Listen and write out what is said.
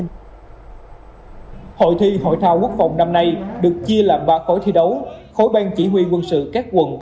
hội thi hội thao quốc phòng năm nay được chia làm ba khối thi đấu khối bang chỉ huy quân sự các quận